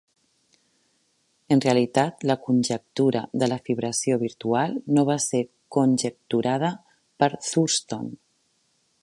En realitat la conjectura de la fibració virtual no va ser conjecturada per Thurston.